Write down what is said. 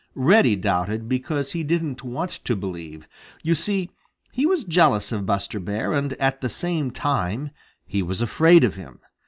Reddy doubted because he didn't want to believe. You see, he was jealous of Buster Bear, and at the same time he was afraid of him.